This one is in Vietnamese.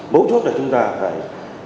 mấu chốt là chúng ta phải